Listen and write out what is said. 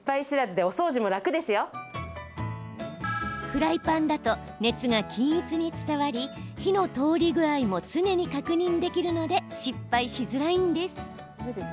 フライパンだと熱が均一に伝わり火の通り具合も常に確認できるので失敗しづらいんです。